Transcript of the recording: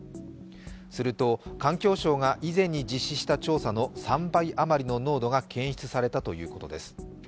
すると環境省が以前に実施した調査の３倍余りの濃度が検出されたということです。